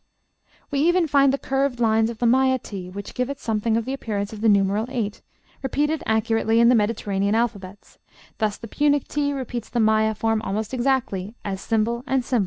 We even find the curved lines of the Maya t which give it something of the appearance of the numeral 8, repeated accurately in the Mediterranean alphabets; thus the Punic t repeats the Maya form almost exactly as ### and ###